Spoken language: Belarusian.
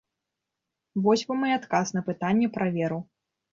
Вось вам і адказ на пытанне пра веру.